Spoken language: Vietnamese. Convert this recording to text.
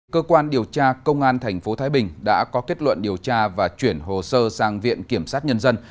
cơ quan điều tra công an tp thái bình đã có kết luận điều tra và chuyển hồ sơ sang viện kiểm sát nhân dân